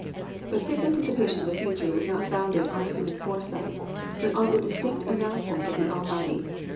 But his anticipation of the i86 losers fast an b future was not founded on human foresight, but on the distinct announcements of the Almighty.